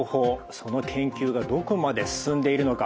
その研究がどこまで進んでいるのか